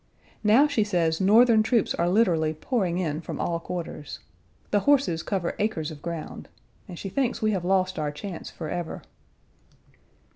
Now she says Northern troops are literally pouring in from all quarters. The horses cover acres of ground. And she thinks we have lost our chance forever.